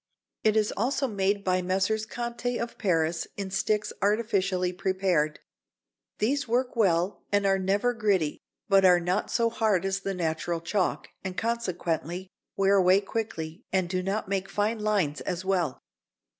It is also made by Messrs. Conté of Paris in sticks artificially prepared. These work well and are never gritty, but are not so hard as the natural chalk, and consequently wear away quickly and do not make fine lines as well.